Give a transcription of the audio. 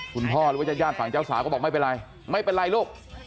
คุณพ่อหรือว่าญาติฝั่งเจ้าสาวก็บอกไม่เป็นไรไม่เป็นไรลูก